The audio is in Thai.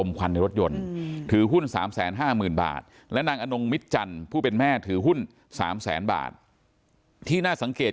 มีการแจ้งน้อยอย่างผิดสังเกต